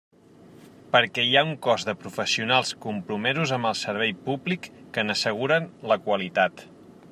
Perquè hi ha un cos de professionals compromesos amb el servei públic que n'asseguren la qualitat.